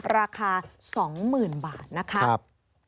ราคา๒๐๐๐๐บาท